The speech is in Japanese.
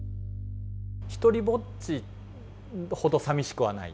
ひとりぼっちほどさみしくはない。